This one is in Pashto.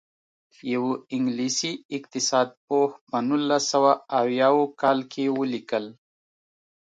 یوه انګلیسي اقتصاد پوه په نولس سوه اویاووه کال کې ولیکل.